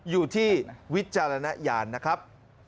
อยู่ที่วิจารณญาณนะครับ